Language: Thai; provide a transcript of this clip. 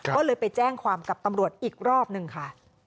ก็เลยไปแจ้งความกับตำรวจอีกรอบหนึ่งค่ะ